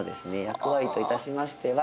役割といたしましては